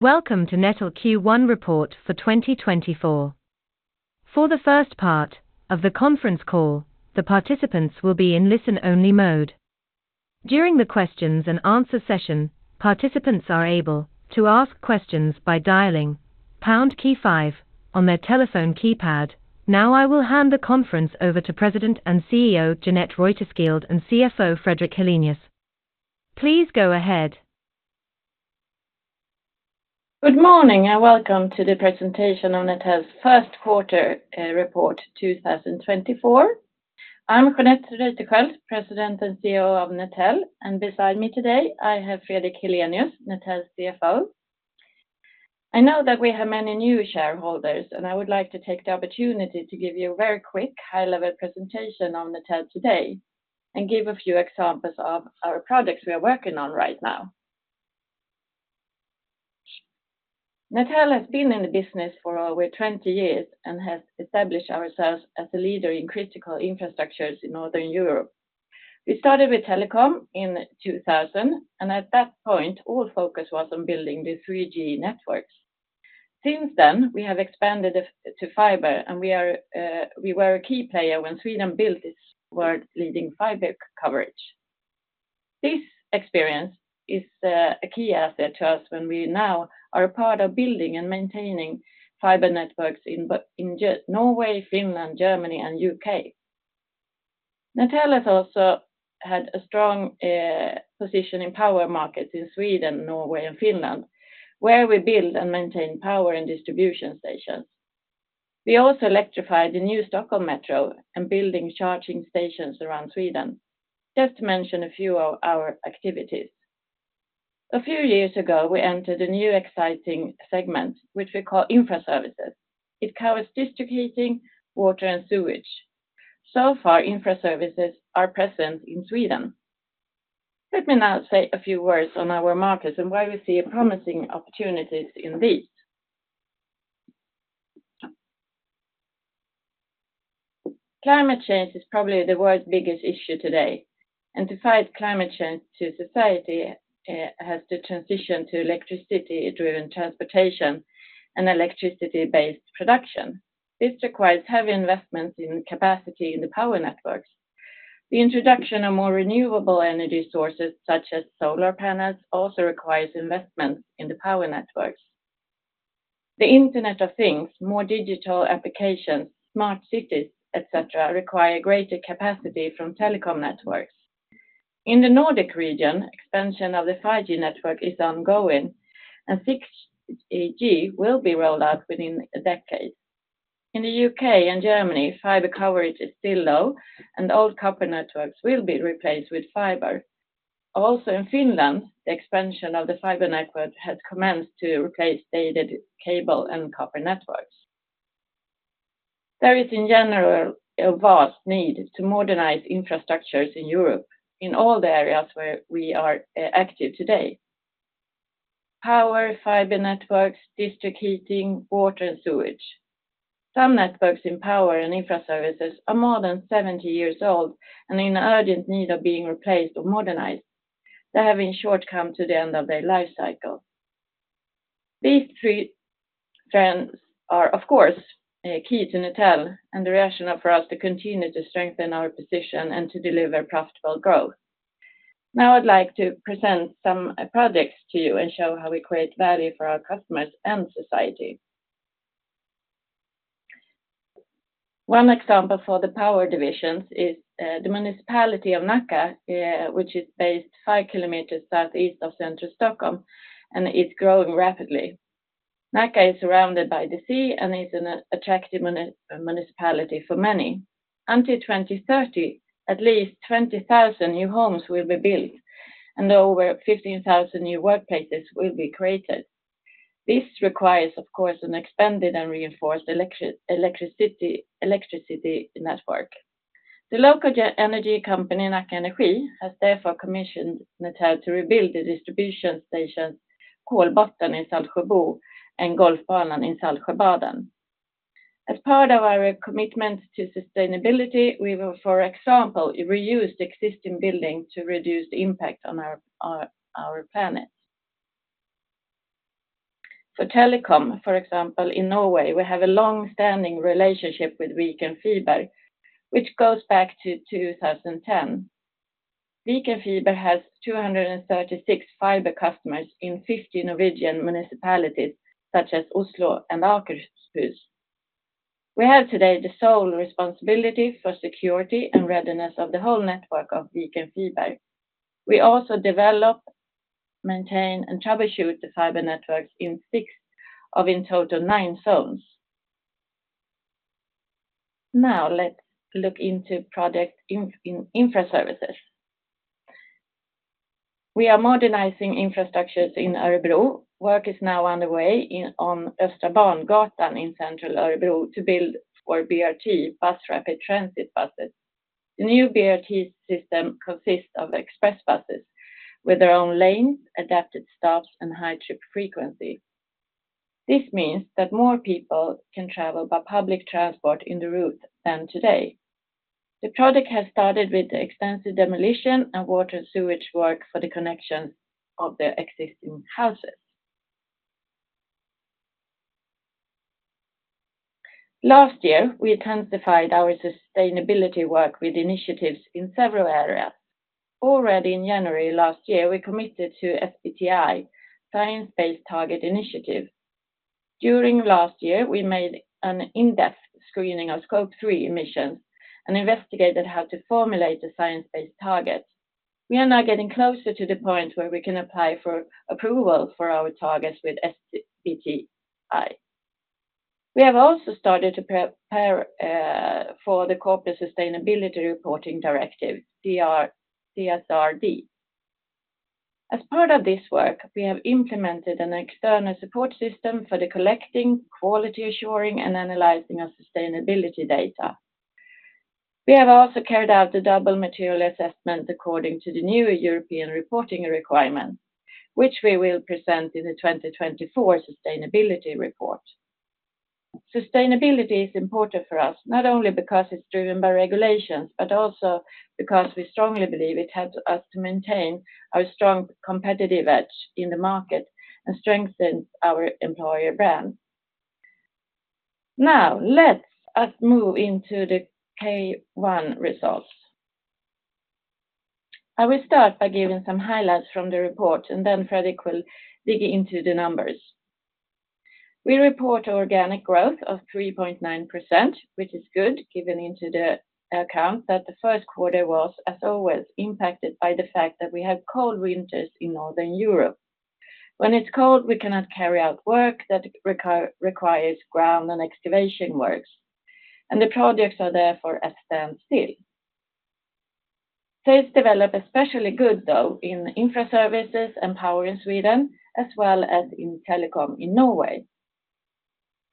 Welcome to Netel Q1 Report for 2024. For the first part of the conference call, the participants will be in listen-only mode. During the questions-and-answer session, participants are able to ask questions by dialing pound key five on their telephone keypad. Now, I will hand the conference over to President and CEO, Jeanette Reuterskiöld and CFO, Fredrik Helenius. Please go ahead. Good morning, and welcome to the presentation on Netel's First Quarter Report 2024. I'm Jeanette Reuterskiöld, President and CEO of Netel, and beside me today, I have Fredrik Helenius, Netel's CFO. I know that we have many new shareholders, and I would like to take the opportunity to give you a very quick high-level presentation on Netel today and give a few examples of our projects we are working on right now. Netel has been in the business for over 20 years and has established ourselves as a leader in critical infrastructures in Northern Europe. We started with telecom in 2000, and at that point, all focus was on building the 3G networks. Since then, we have expanded it to fiber, and we were a key player when Sweden built its world-leading fiber coverage. This experience is a key asset to us when we now are a part of building and maintaining fiber networks in Norway, Finland, Germany, and U.K.. Netel has also had a strong position in power markets in Sweden, Norway, and Finland, where we build and maintain power and distribution stations. We also electrify the new Stockholm Metro and building charging stations around Sweden, just to mention a few of our activities. A few years ago, we entered a new exciting segment, which we call Infraservices. It covers district heating, water, and sewage. So far, Infraservices are present in Sweden. Let me now say a few words on our markets and why we see promising opportunities in these. Climate change is probably the world's biggest issue today, and to fight climate change, society has to transition to electricity-driven transportation and electricity-based production. This requires heavy investments in capacity in the power networks. The introduction of more renewable energy sources, such as solar panels, also requires investment in the power networks. The Internet of Things, more digital applications, smart cities, et cetera, require greater capacity from telecom networks. In the Nordic region, expansion of the 5G network is ongoing, and 6G will be rolled out within a decade. In the U.K. and Germany, fiber coverage is still low, and old copper networks will be replaced with fiber. Also, in Finland, the expansion of the fiber network has commenced to replace dated cable and copper networks. There is, in general, a vast need to modernize infrastructures in Europe in all the areas where we are active today: power, fiber networks, district heating, water, and sewage. Some networks in Power and Infraservices are more than 70 years old and in urgent need of being replaced or modernized. They have, in short, come to the end of their life cycle. These three trends are, of course, key to Netel and the rationale for us to continue to strengthen our position and to deliver profitable growth. Now, I'd like to present some projects to you and show how we create value for our customers and society. One example for the Power divisions is the municipality of Nacka, which is based five kilometers southeast of central Stockholm and is growing rapidly. Nacka is surrounded by the sea and is an attractive municipality for many. Until 2030, at least 20,000 new homes will be built, and over 15,000 new workplaces will be created. This requires, of course, an expanded and reinforced electricity network. The local energy company, Nacka Energi, has therefore commissioned Netel to rebuild the distribution station, Kolbotten in Saltsjö-Boo and Golfbanan in Saltsjöbaden. As part of our commitment to sustainability, we will, for example, reuse the existing building to reduce the impact on our planet. For telecom, for example, in Norway, we have a long-standing relationship with Viken Fiber, which goes back to 2010. Viken Fiber has 236 fiber customers in 50 Norwegian municipalities, such as Oslo and Akershus. We have today the sole responsibility for security and readiness of the whole network of Viken Fiber. We also develop, maintain, and troubleshoot the fiber networks in six of, in total, nine zones. Now, let's look into project in Infraservices. We are modernizing infrastructures in Örebro. Work is now underway in, on Östra Bangatan in central Örebro to build for BRT, Bus Rapid Transit buses. The new BRT system consists of express buses with their own lanes, adapted stops, and high trip frequency. This means that more people can travel by public transport in the route than today. The project has started with the extensive demolition and water sewage work for the connection of the existing houses. Last year, we intensified our sustainability work with initiatives in several areas. Already in January last year, we committed to SBTi, Science Based Targets initiative. During last year, we made an in-depth screening of Scope 3 emissions and investigated how to formulate the science-based target. We are now getting closer to the point where we can apply for approval for our targets with SBTi. We have also started to prepare for the Corporate Sustainability Reporting Directive, CSRD. As part of this work, we have implemented an external support system for the collecting, quality assuring, and analyzing of sustainability data. We have also carried out the double materiality assessment according to the new European reporting requirements, which we will present in the 2024 sustainability report. Sustainability is important for us, not only because it's driven by regulations, but also because we strongly believe it helps us to maintain our strong competitive edge in the market and strengthens our employer brand. Now, let us move into the Q1 results. I will start by giving some highlights from the report, and then Fredrik will dig into the numbers. We report organic growth of 3.9%, which is good, taking into account that the first quarter was, as always, impacted by the fact that we had cold winters in Northern Europe. When it's cold, we cannot carry out work that requires ground and excavation works, and the projects are therefore at a standstill. Sales develop especially good, though, in Infraservices and Power in Sweden, as well as in Telecom in Norway.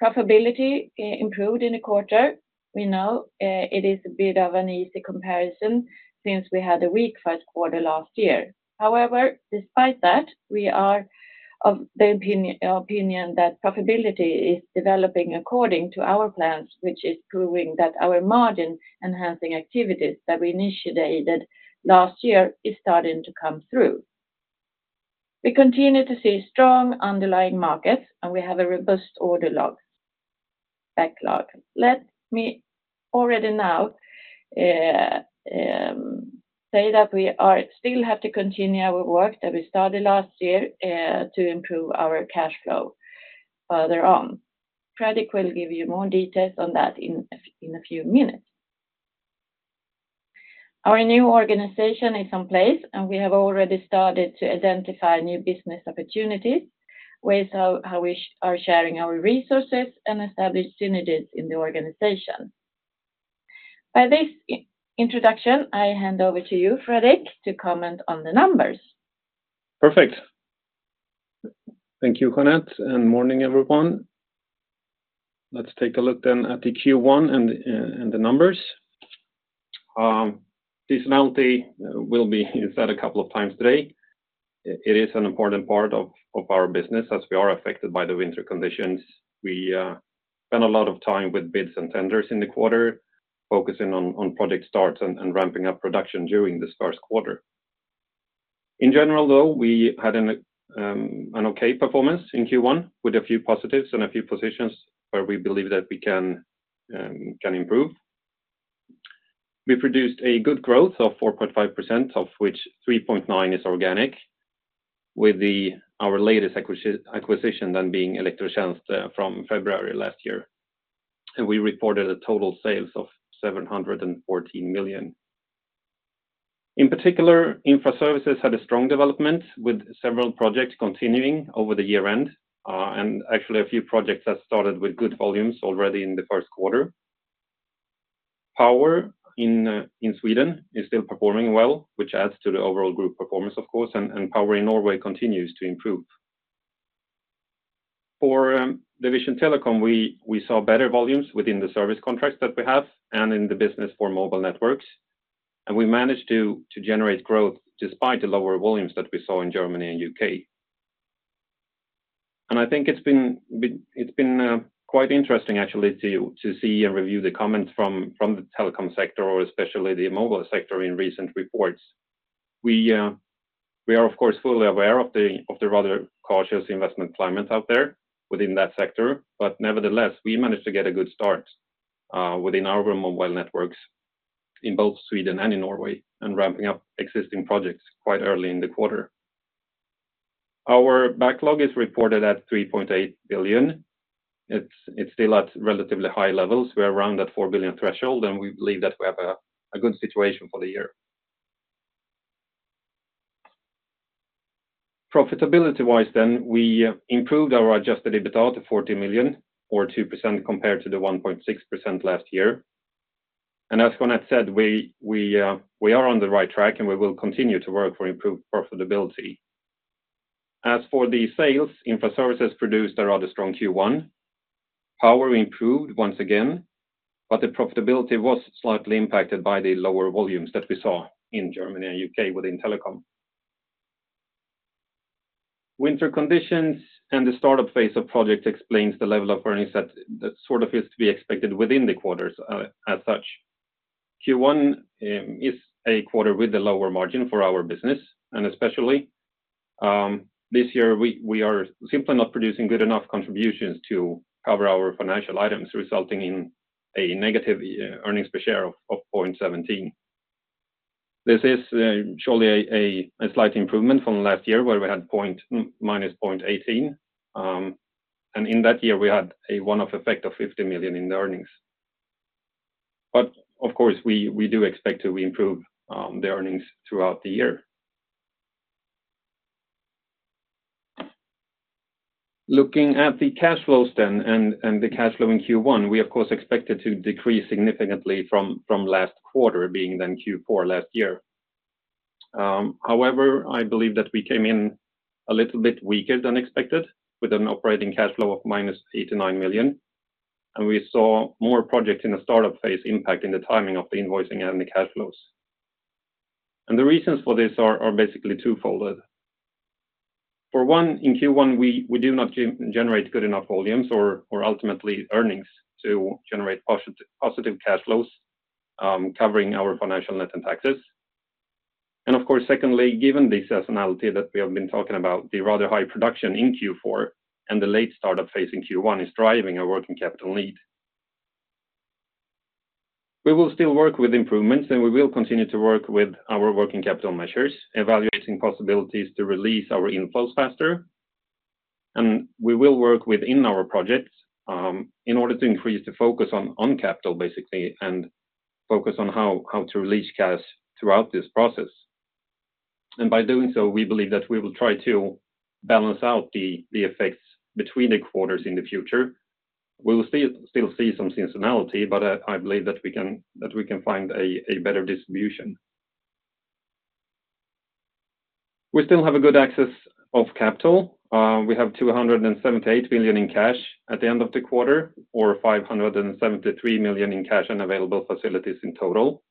Profitability improved in a quarter. We know, it is a bit of an easy comparison since we had a weak first quarter last year. However, despite that, we are of the opinion that profitability is developing according to our plans, which is proving that our margin-enhancing activities that we initiated last year is starting to come through. We continue to see strong underlying markets, and we have a robust order backlog. Let me already now, say that we still have to continue our work that we started last year, to improve our cash flow further on. Fredrik will give you more details on that in a few minutes. Our new organization is in place, and we have already started to identify new business opportunities with how we are sharing our resources and establish synergies in the organization. By this introduction, I hand over to you, Fredrik, to comment on the numbers. Perfect. Thank you, Jeanette, and good morning, everyone. Let's take a look then at the Q1 and the numbers. Seasonality will be said a couple of times today. It is an important part of our business as we are affected by the winter conditions. We spend a lot of time with bids and tenders in the quarter, focusing on project starts and ramping up production during this first quarter. In general, though, we had an okay performance in Q1 with a few positives and a few positions where we believe that we can improve. We produced a good growth of 4.5%, of which 3.9% is organic, with our latest acquisition then being Elektrotjänst i Katrineholm AB from February last year, and we reported total sales of 714 million. In particular, Infraservices had a strong development, with several projects continuing over the year end, and actually, a few projects have started with good volumes already in the first quarter. Power in Sweden is still performing well, which adds to the overall group performance, of course, and Power in Norway continues to improve. For the division Telecom, we saw better volumes within the service contracts that we have and in the business for mobile networks, and we managed to generate growth despite the lower volumes that we saw in Germany and U.K.. I think it's been quite interesting actually, to see and review the comments from the telecom sector, or especially the mobile sector in recent reports. We are, of course, fully aware of the rather cautious investment climate out there within that sector, but nevertheless, we managed to get a good start within our mobile networks in both Sweden and in Norway, and ramping up existing projects quite early in the quarter. Our backlog is reported at 3.8 billion. It's still at relatively high levels. We're around that 4 billion threshold, and we believe that we have a good situation for the year. Profitability-wise, then, we improved our adjusted EBITDA to 40 million, or 2% compared to the 1.6% last year. And as Jeanette said, we are on the right track, and we will continue to work for improved profitability. As for the sales, Infraservices produced a rather strong Q1. Power improved once again, but the profitability was slightly impacted by the lower volumes that we saw in Germany and U.K. within Telecom. Winter conditions and the startup phase of projects explains the level of earnings that is to be expected within the quarters. As such, Q1 is a quarter with a lower margin for our business, and especially this year, we are simply not producing good enough contributions to cover our financial items, resulting in a negative earnings per share of 0.17 SEK. This is surely a slight improvement from last year, where we had -0.18 SEK, and in that year, we had a one-off effect of 50 million in earnings. But of course, we do expect to improve the earnings throughout the year. Looking at the cash flows then, and the cash flow in Q1, we of course expected to decrease significantly from last quarter, being then Q4 last year. However, I believe that we came in a little bit weaker than expected, with an operating cash flow of -89 million, and we saw more projects in the startup phase impacting the timing of the invoicing and the cash flows. And the reasons for this are basically twofold. For one, in Q1, we do not generate good enough volumes or ultimately, earnings to generate positive cash flows covering our financial net and taxes. And of course, secondly, given the seasonality that we have been talking about, the rather high production in Q4 and the late startup phase in Q1 is driving a working capital need. We will still work with improvements, and we will continue to work with our working capital measures, evaluating possibilities to release our inflows faster. We will work within our projects in order to increase the focus on capital, basically, and focus on how to release cash throughout this process. And by doing so, we believe that we will try to balance out the effects between the quarters in the future. We will still see some seasonality, but I believe that we can find a better distribution. We still have a good access of capital. We have 278 million in cash at the end of the quarter, or 573 million in cash and available facilities in total.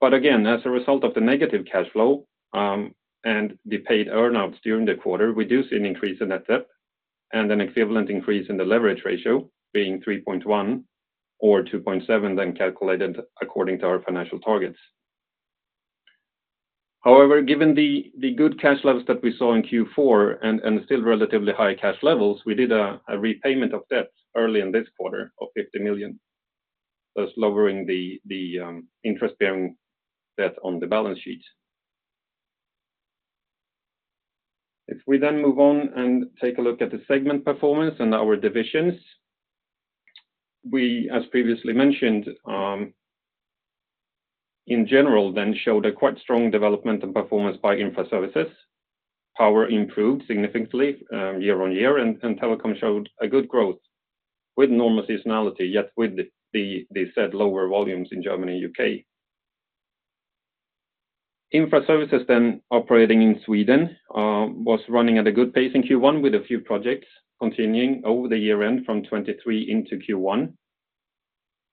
But again, as a result of the negative cash flow and the paid earn-outs during the quarter, we do see an increase in net debt and an equivalent increase in the leverage ratio being 3.1 or 2.7, then calculated according to our financial targets. However, given the good cash flows that we saw in Q4 and still relatively high cash levels, we did a repayment of debt early in this quarter of 50 million, thus lowering the interest-bearing debt on the balance sheet. If we then move on and take a look at the segment performance and our divisions, we, as previously mentioned, in general, then showed a quite strong development and performance by Infraservices. Power improved significantly year-on-year, and Telecom showed a good growth with normal seasonality, yet with the said lower volumes in Germany and U.K.. Infraservices then operating in Sweden was running at a good pace in Q1, with a few projects continuing over the year-end from 2023 into Q1.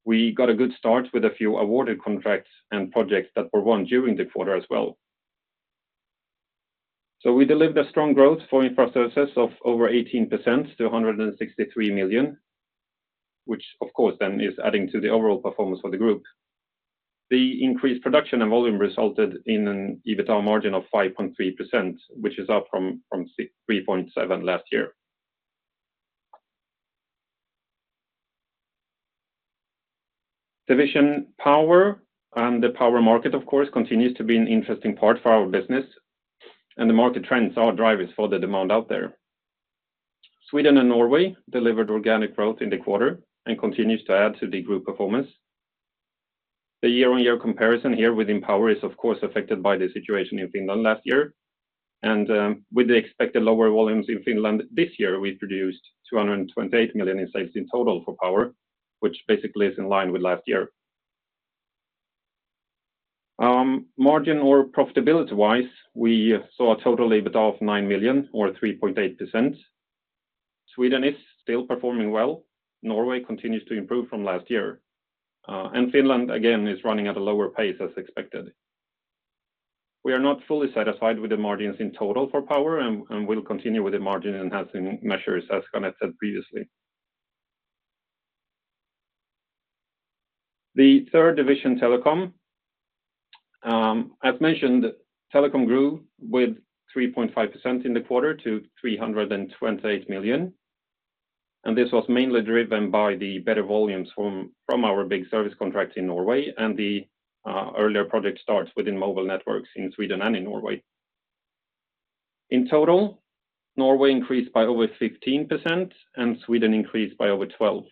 We got a good start with a few awarded contracts and projects that were won during the quarter as well. So we delivered a strong growth for Infraservices of over 18% to 163 million, which of course then is adding to the overall performance of the group. The increased production and volume resulted in an EBITDA margin of 5.3%, which is up from 3.7% last year. Division Power and the Power Market, of course, continues to be an interesting part for our business, and the market trends are drivers for the demand out there. Sweden and Norway delivered organic growth in the quarter and continues to add to the group performance. The year-over-year comparison here within Power is, of course, affected by the situation in Finland last year, and, with the expected lower volumes in Finland this year, we produced 228 million in sales in total for Power, which basically is in line with last year. Margin or profitability-wise, we saw a total EBITDA of 9 million, or 3.8%. Sweden is still performing well, Norway continues to improve from last year, and Finland again, is running at a lower pace as expected. We are not fully satisfied with the margins in total for Power and will continue with the margin-enhancing measures, as Janet said previously. The third division, Telecom. As mentioned, Telecom grew with 3.5% in the quarter to 328 million, and this was mainly driven by the better volumes from our big service contracts in Norway and the earlier project starts within mobile networks in Sweden and in Norway. In total, Norway increased by over 15%, and Sweden increased by over 12%.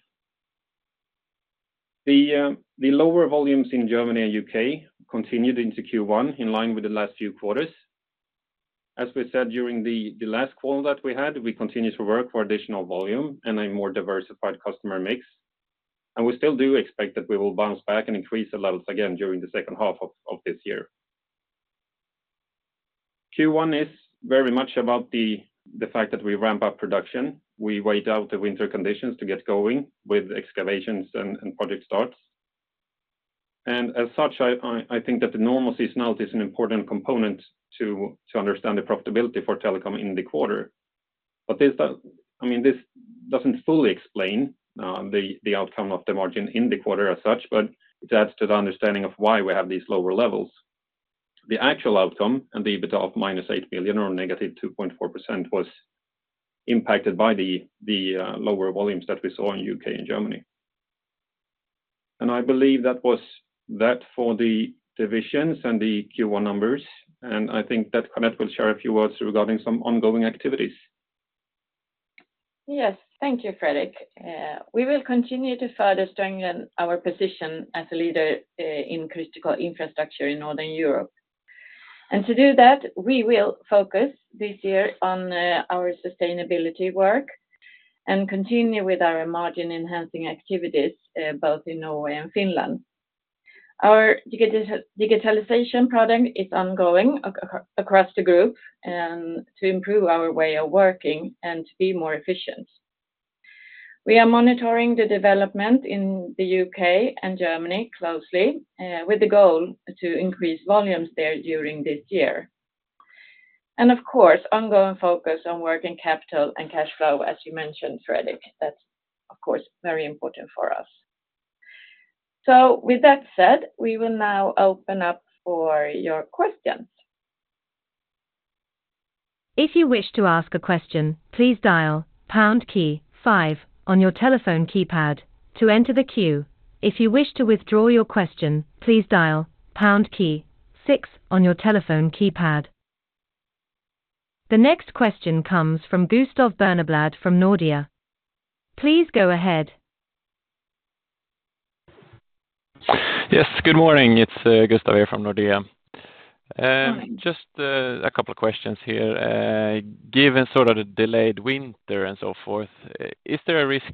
The lower volumes in Germany and U.K. continued into Q1, in line with the last few quarters. As we said during the last call that we had, we continue to work for additional volume and a more diversified customer mix, and we still do expect that we will bounce back and increase the levels again during the second half of this year. Q1 is very much about the fact that we ramp up production, we wait out the winter conditions to get going with excavations and project starts, and as such, I think that the normal seasonality is an important component to understand the profitability for telecom in the quarter. But this does, I mean, this doesn't fully explain the outcome of the margin in the quarter as such, but it adds to the understanding of why we have these lower levels. The actual outcome and the EBITDA of -8 million or -2.4% was impacted by the lower volumes that we saw in U.K. and Germany. I believe that was that for the divisions and the Q1 numbers, and I think that Netel will share a few words regarding some ongoing activities. Yes, thank you, Fredrik. We will continue to further strengthen our position as a leader in critical infrastructure in Northern Europe. To do that, we will focus this year on our sustainability work and continue with our margin-enhancing activities both in Norway and Finland. Our digitalization project is ongoing across the group to improve our way of working and to be more efficient. We are monitoring the development in the U.K. and Germany closely with the goal to increase volumes there during this year. Of course, ongoing focus on working capital and cash flow, as you mentioned, Fredrik. That's, of course, very important for us. With that said, we will now open up for your questions. If you wish to ask a question, please dial pound key five on your telephone keypad to enter the queue. If you wish to withdraw your question, please dial pound key six on your telephone keypad. The next question comes from Gustav Berneblad from Nordea. Please go ahead. Yes, good morning. It's Gustav here from Nordea. Morning. Just a couple of questions here. Given sort of the delayed winter and so forth, is there a risk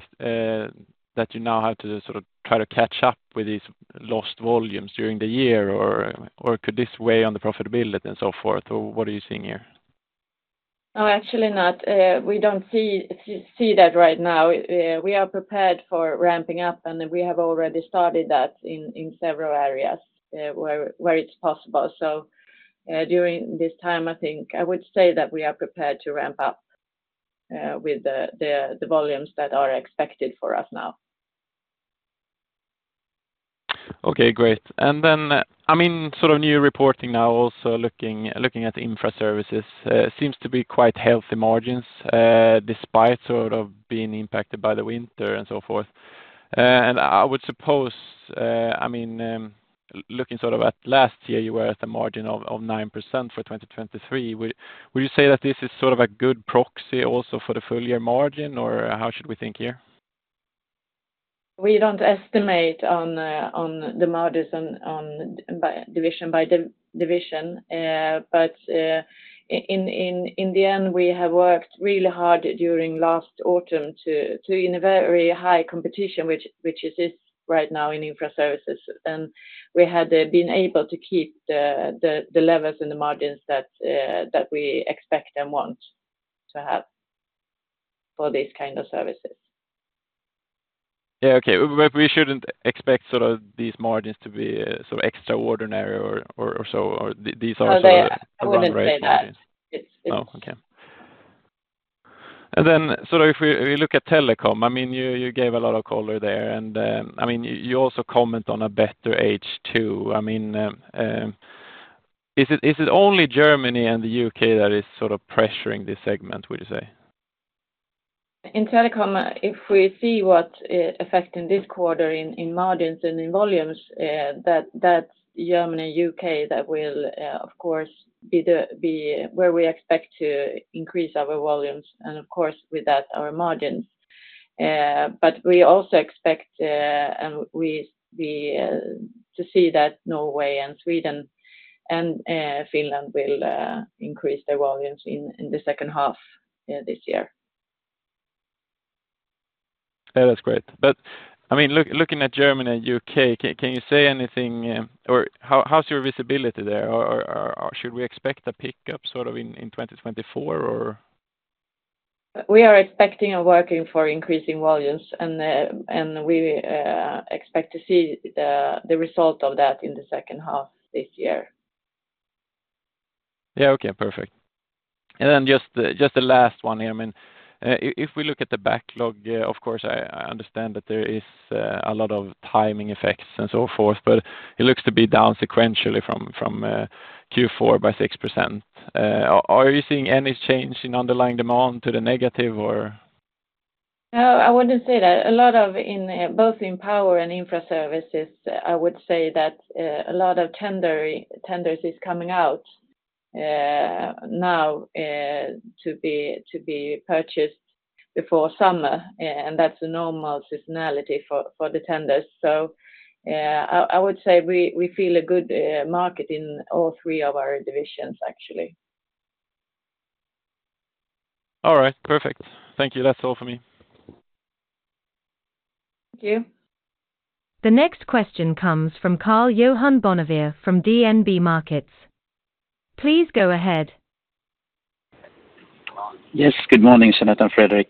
that you now have to sort of try to catch up with these lost volumes during the year, or could this weigh on the profitability and so forth? What are you seeing here? No, actually not. We don't see that right now. We are prepared for ramping up, and we have already started that in several areas, where it's possible. So, during this time, I think I would say that we are prepared to ramp up, with the volumes that are expected for us now. Okay, great. And then, I mean, sort of new reporting now, also looking at Infraservices, seems to be quite healthy margins, despite sort of being impacted by the winter and so forth. And I would suppose, I mean, looking sort of at last year, you were at the margin of 9% for 2023. Would you say that this is sort of a good proxy also for the full year margin, or how should we think here? We don't estimate on the margins on by division. But in the end, we have worked really hard during last autumn to in a very high competition, which is right now in Infraservices, and we had been able to keep the levels and the margins that we expect and want to have for these kind of services. Yeah, okay. We shouldn't expect sort of these margins to be sort of extraordinary or, or, or so? Or these are sort of run rate. I wouldn't say that. Oh, okay. So if we look at Telecom, I mean, you gave a lot of color there, and I mean, you also comment on a better H2. I mean, is it only Germany and the U.K. that is sort of pressuring this segment, would you say? In telecom, if we see what affecting this quarter in margins and in volumes, that's Germany, U.K., that will of course be where we expect to increase our volumes and of course, with that, our margins. But we also expect to see that Norway and Sweden and Finland will increase their volumes in the second half this year. Yeah, that's great. But I mean, looking at Germany and U.K., can you say anything, or how's your visibility there, or should we expect a pickup sort of in 2024, or? We are expecting and working for increasing volumes, and we expect to see the result of that in the second half this year. Yeah, okay, perfect. And then the last one here if we look at the backlog, of course, I understand that there is a lot of timing effects and so forth, but it looks to be down sequentially from Q4 by 6%. Are you seeing any change in underlying demand to the negative, or? No, I wouldn't say that. A lot of in both in Power and Infraservices, I would say that a lot of tenders is coming out now to be purchased before summer, and that's a normal seasonality for the tenders. So, I would say we feel a good market in all three of our divisions, actually. All right, perfect. Thank you. That's all for me. Thank you. The next question comes from Karl-Johan Bonnevier from DNB Markets. Please go ahead. Yes, good morning, Jeanette and Fredrik.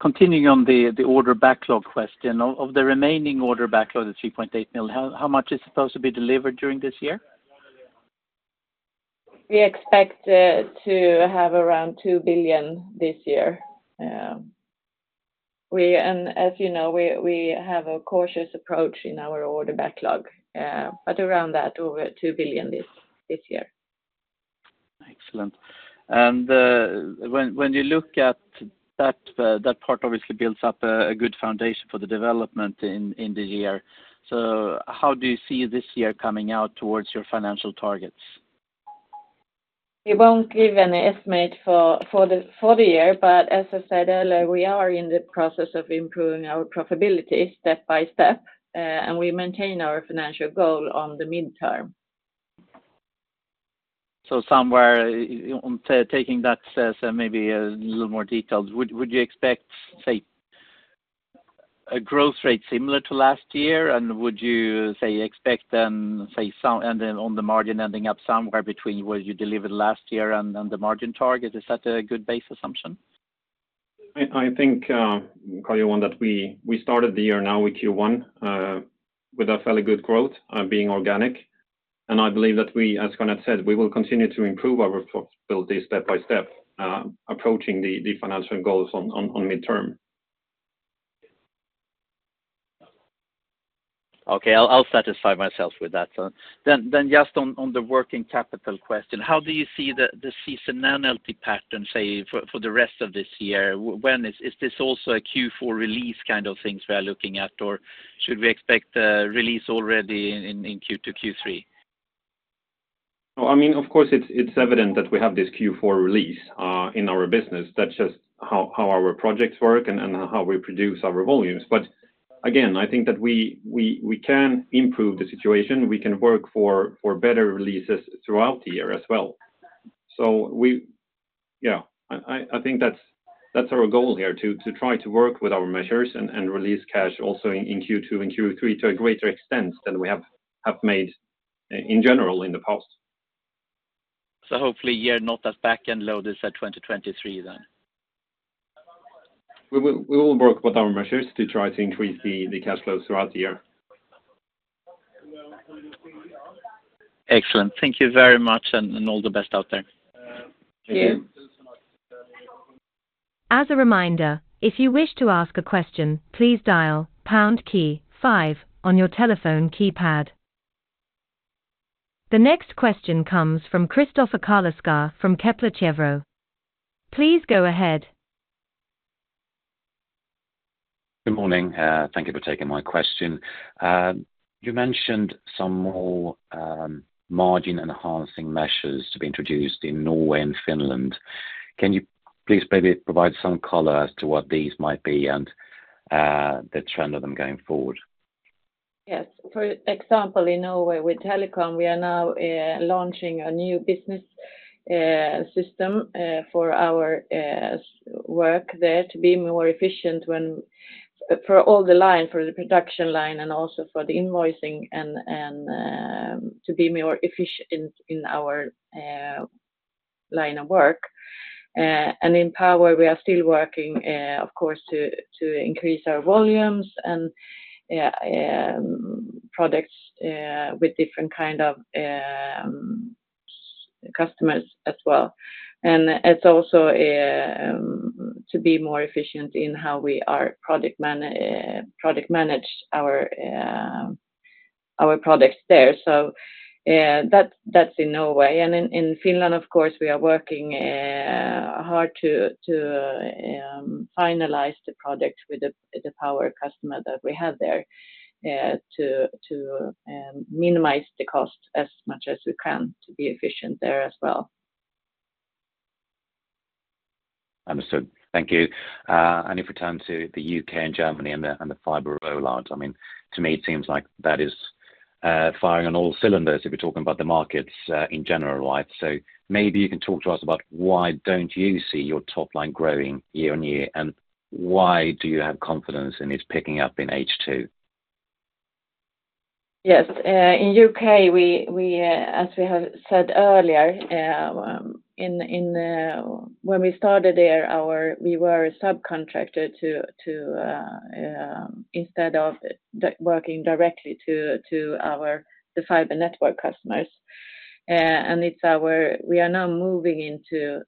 Continuing on the order backlog question, of the remaining order backlog, the 3.8 billion, how much is supposed to be delivered during this year? We expect to have around 2 billion this year. And, as you know, we have a cautious approach in our order backlog, but around that, over 2 billion this year. Excellent. And when you look at that, that part obviously builds up a good foundation for the development in the year. So how do you see this year coming out towards your financial targets? We won't give any estimate for the year, but as I said earlier, we are in the process of improving our profitability step by step, and we maintain our financial goal on the midterm. So somewhere, taking that sense and maybe a little more details, would you expect, say, a growth rate similar to last year? And would you, say, expect then, say, and then on the margin ending up somewhere between what you delivered last year and, and the margin target, is that a good base assumption? I think, Karl-Johan, that we started the year now with Q1 with a fairly good growth, being organic. I believe that we, as Jeanette said, will continue to improve our profitability step by step, approaching the financial goals on midterm. Okay. I'll satisfy myself with that. So then just on the working capital question, how do you see the seasonality pattern, say, for the rest of this year? When is-- is this also a Q4 release kind of things we are looking at, or should we expect a release already in Q2, Q3? Well, I mean, of course, it's evident that we have this Q4 release in our business. That's just how our projects work and how we produce our volumes. But again, I think that we can improve the situation. We can work for better releases throughout the year as well. So yeah, I think that's our goal here, to try to work with our measures and release cash also in Q2 and Q3 to a greater extent than we have made in general in the past. Hopefully you're not as back end loaded as 2023 then? We will work with our measures to try to increase the cash flows throughout the year. Excellent. Thank you very much, and all the best out there. Thank you. As a reminder, if you wish to ask a question, please dial pound key five on your telephone keypad. The next question comes from Kristoffer Carleskär from Kepler Cheuvreux. Please go ahead. Good morning, thank you for taking my question. You mentioned some more margin-enhancing measures to be introduced in Norway and Finland. Can you please maybe provide some color as to what these might be and the trend of them going forward? Yes. For example, in Norway, with Telecom, we are now launching a new business system for our work there to be more efficient when for all the line, for the production line and also for the invoicing and, to be more efficient in our line of work. And in Power, we are still working, of course, to increase our volumes and, products, with different kind of, customers as well. And it's also, to be more efficient in how we are project manage our, products there. So, that's, in Norway. And in Finland, of course, we are working hard to finalize the product with the Power customer that we have there, to minimize the cost as much as we can to be efficient there as well. Understood. Thank you. If we turn to the U.K. and Germany and the fiber rollout, I mean, to me, it seems like that is firing on all cylinders, if we're talking about the markets in general life. So maybe you can talk to us about why don't you see your top line growing year-on-year, and why do you have confidence in it picking up in H2? Yes. In U.K., as we have said earlier, in, when we started there, we were a subcontractor to, instead of working directly to our, the fiber network customers. We are now moving into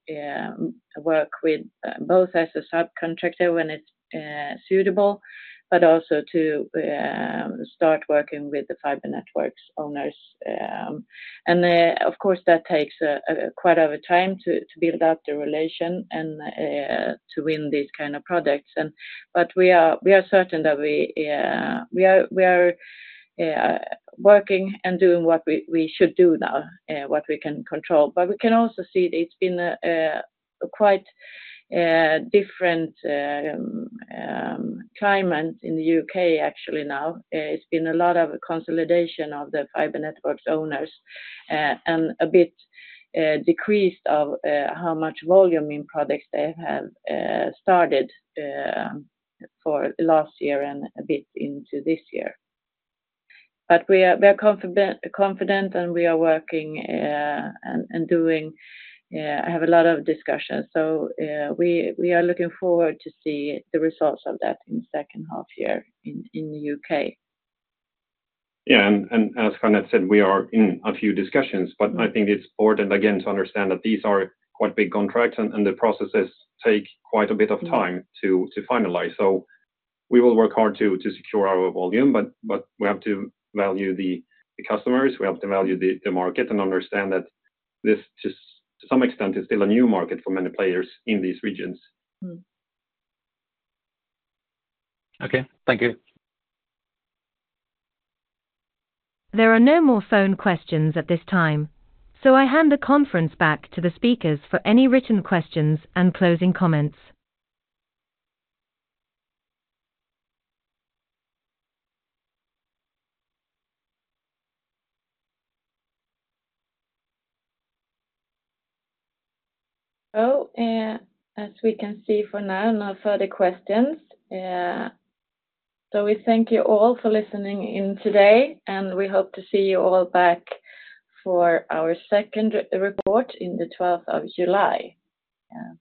work with both as a subcontractor when it's suitable, but also to start working with the fiber networks owners. And, of course, that takes quite a bit time to build out the relation and to win these kind of products. But we are certain that we are working and doing what we should do now, what we can control. But we can also see it's been a quite different climate in the U.K. actually now. It's been a lot of consolidation of the fiber networks owners, and a bit decreased of how much volume in products they have started for last year and a bit into this year. But we are confident, and we are working and have a lot of discussions. So, we are looking forward to see the results of that in the second half year in the U.K.. Yeah, as Jeanette said, we are in a few discussions, but I think it's important again to understand that these are quite big contracts, and the processes take quite a bit of time to finalize. So we will work hard to secure our volume, but we have to value the customers, we have to value the market, and understand that this, just to some extent, is still a new market for many players in these regions. Okay, thank you. There are no more phone questions at this time, so I hand the conference back to the speakers for any written questions and closing comments. As we can see for now, no further questions. So we thank you all for listening in today, and we hope to see you all back for our second report in the twelfth of July. Yeah.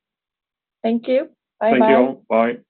Thank you. Bye-bye. Thank you. Bye.